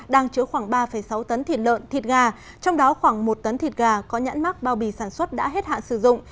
đang chứa khoảng ba sáu tấn thịt lợn thịt gà trong đó khoảng một tấn thịt gà có nhãn mắc bao bì sản xuất đã hết hạn sử dụng